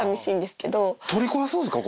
取り壊すんすか？